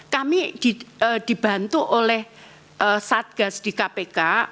kami dibantu oleh satgas di kpk